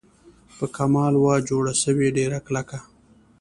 په کمال وه جوړه سوې ډېره کلکه